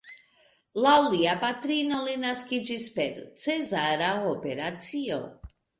Laŭ lia patrino li naskiĝis per cezara operacio.